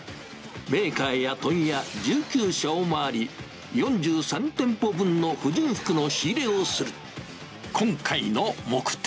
メーカーや問屋１９社を回り、４３店舗分の婦人服の仕入れをする。